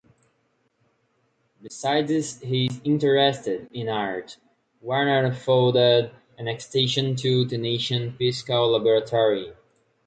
Besides his interest in art, Wernher funded an extension to the National Physical Laboratory.